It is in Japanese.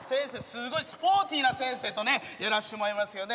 すごいスポーティーな先生とねやらしてもらいますけどね。